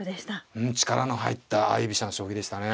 うん力の入った相居飛車の将棋でしたね。